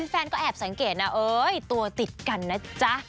แฟนก็แอบสังเกตนะเอ้ยตัวติดกันนะจ๊ะ